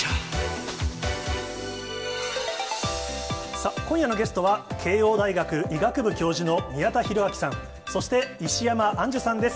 さあ、今夜のゲストは、慶應大学医学部教授の宮田裕章さん、そして、石山アンジュさんです。